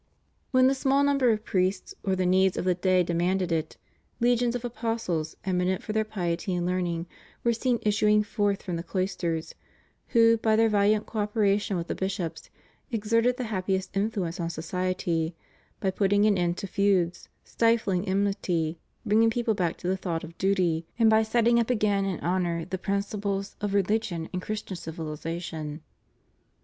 When the small number of priests or the needs of the day demanded it, legions of apostles, eminent for their piety and learning, were seen issuing forth from the cloisters, who, by their valiant co operation with the bishops, exerted the happiest influence on society, by putting an end to feuds, stifling enmity, bringing people back to the thought of duty, and by setting up again in honor the principles of rehgion and Christian civilization.